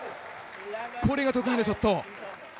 これが得意のショット。